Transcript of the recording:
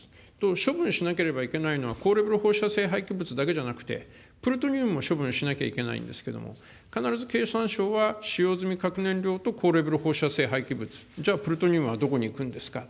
処分しなければいけないのは高レベル放射性廃棄物だけじゃなくて、プルトニウムも処分しなきゃいけないんですけれども、必ず経産省は、使用済み核燃料と高レベル放射性廃棄物、じゃあ、プルトニウムはどこに行くんですか。